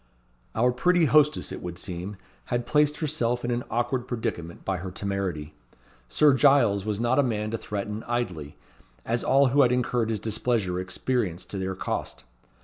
Our pretty hostess, it would seem, had placed herself in an awkward predicament by her temerity. Sir Giles was not a man to threaten idly, as all who had incurred his displeasure experienced to their cost.